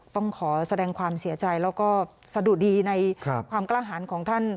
ต้องขอแสดงความเสียใจแล้วก็สะดุดีในความกล้าหารของท่าน